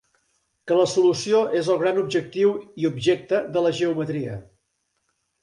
Que la solució és el gran objectiu i objecte de la geometria.